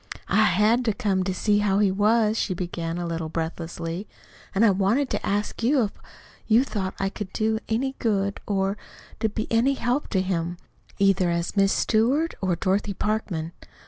"I HAD to come to see how he was," she began, a little breathlessly. "And I wanted to ask you if you thought I could do any good or or be any help to him, either as Miss Stewart or Dorothy Parkman.